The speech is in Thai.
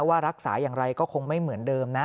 ว่ารักษาอย่างไรก็คงไม่เหมือนเดิมนะ